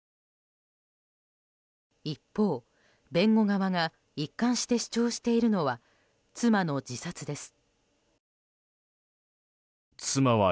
一方、弁護側が一貫して主張しているのは妻の自殺です。